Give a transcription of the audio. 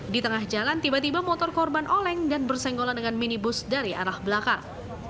di tengah jalan tiba tiba motor korban oleng dan bersenggolan dengan minibus dari arah belakang